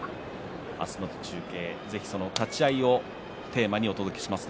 明日の中継、その立ち合いをテーマにお届けします。